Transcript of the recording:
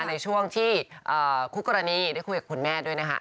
ในช่วงที่คู่กรณีได้คุยกับคุณแม่ด้วยนะคะ